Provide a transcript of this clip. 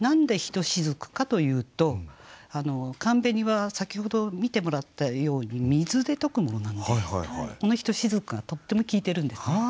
何で「ひとしずく」かというと寒紅は先ほど見てもらったように水で溶くものなのでこの「ひとしずく」がとっても効いてるんですね。